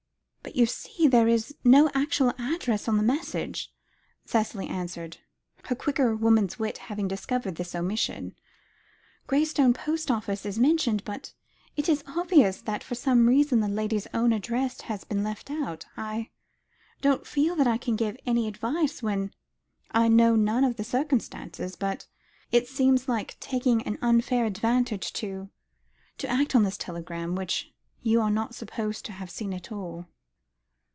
"But, you see, there is no actual address on the message," Cicely answered, her quicker woman's wit having discovered the omission. "Graystone post office is mentioned, but it is obvious that for some reason the lady's own address has been left out. I don't feel that I can give any advice when I know none of the circumstances, but it seems like taking an unfair advantage to to act on this telegram, which you are not supposed to have seen at all."